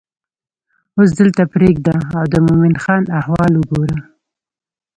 اوس دلته پرېږده او د مومن خان احوال وګوره.